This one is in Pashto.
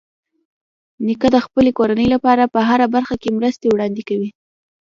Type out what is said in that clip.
نیکه د خپلې کورنۍ لپاره په هره برخه کې مرستې وړاندې کوي.